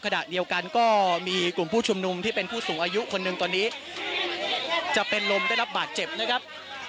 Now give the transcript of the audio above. ขณะเดียวกันก็มีกลุ่มผู้ชุมนุมที่เป็นผู้สูงอายุคนหนึ่งตอนนี้จะเป็นลมได้รับบาดเจ็บนะครับ